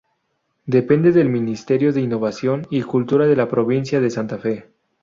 Depende del Ministerio de Innovación y Cultura de la provincia de Santa Fe.